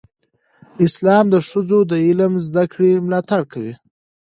اسلام د ښځو د علم زده کړې ملاتړ کوي.